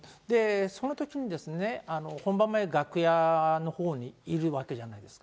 そのときに、本番前楽屋のほうにいるわけじゃないですか。